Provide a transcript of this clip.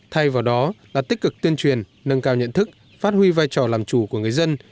thay vào đó là tích cực tuyên truyền nâng cao nhận thức phát huy vai trò làm chủ của người dân